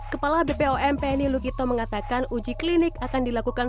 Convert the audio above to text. kepala bpom penny lugito mengatakan uji klinik akan dilakukan